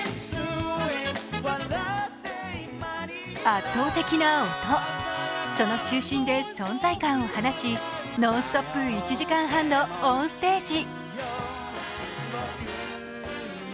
圧倒的な音、その中心で存在感を放ちノンストップ１時間半のオンステージ。